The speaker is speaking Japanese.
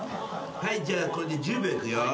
はいじゃあこれで１０秒いくよ。